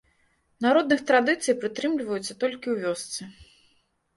Народных традыцый прытрымліваюцца толькі ў вёсцы.